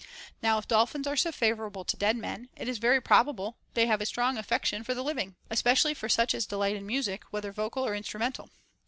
Now if dolphins are so favorable to dead men, it is very proba ble they have a strong affection for the living, especially for such as delight in music, whether vocal or instrumental.